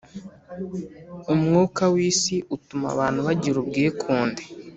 Umwuka w isi utuma abantu bagira ubwikunde .